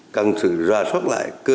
cần sự ra soát lại cơ chế